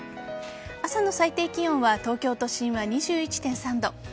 朝の最低気温は東京都心は２１．３度。